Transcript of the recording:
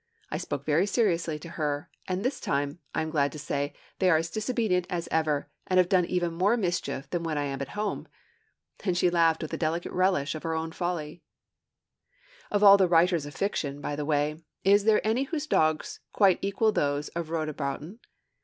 I spoke very seriously to her, and this time, I am glad to say, they are as disobedient as ever, and have done even more mischief than when I am at home.' And she laughed with a delicate relish of her own folly. Of all writers of fiction, by the way, is there any whose dogs quite equal those of Rhoda Broughton?